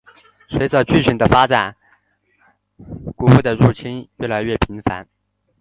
随着剧情的发展古物的入侵越来越频繁。